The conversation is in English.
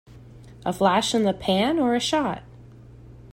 A flash in the pan or a shot?